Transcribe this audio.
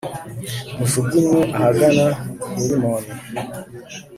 mujugunywe ahagana i Herimoni.»